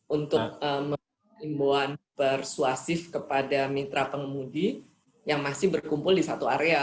untuk mengimbauan persuasif kepada mitra pengemudi yang masih berkumpul di satu area